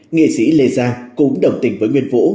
nghệ sĩ lê giang cũng đồng tình với nguyên vũ